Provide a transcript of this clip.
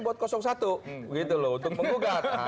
buat satu gitu loh untuk menggugat